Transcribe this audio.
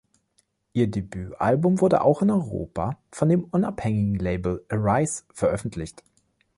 Ihr Debütalbum wurde auch in Europa von dem unabhängigen Label Arise veröffentlicht.